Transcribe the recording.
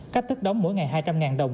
cách thức đóng mỗi ngày hai trăm linh đồng